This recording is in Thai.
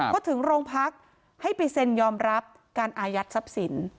พอถึงโรงพักให้ไปเซ็นยอมรับการอายัดทรัพย์สิน